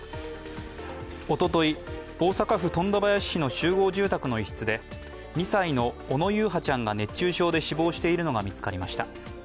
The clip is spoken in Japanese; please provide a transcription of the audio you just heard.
おととい、大阪府富田林市の集合住宅の一室で２歳の小野優陽ちゃんが熱中症で死亡しているのが見つかりました。